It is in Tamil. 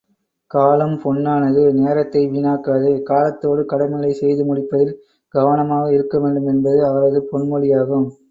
காலம் பொன்னானது, நேரத்தை வீணாக்காதே காலத்தோடு கடமைகளைச் செய்து முடிப்பதில் கவனமாக இருக்க வேண்டும் என்பது அவரது பொன்மொழியாகும்.